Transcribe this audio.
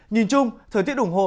nhìn chung thời tiết ủng hộ